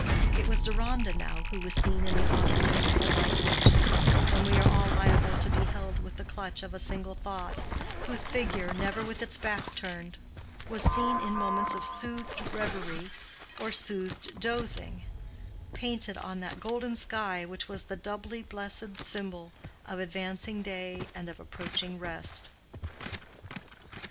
It was Deronda now who was seen in the often painful night watches, when we are all liable to be held with the clutch of a single thought—whose figure, never with its back turned, was seen in moments of soothed reverie or soothed dozing, painted on that golden sky which was the doubly blessed symbol of advancing day and of approaching rest.